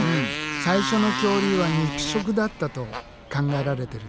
最初の恐竜は肉食だったと考えられてるんだ。